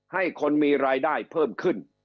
ให้คนมีรายได้เพิ่มขึ้น